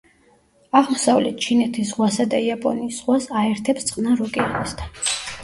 აღმოსავლეთ ჩინეთის ზღვასა და იაპონიის ზღვას აერთებს წყნარ ოკეანესთან.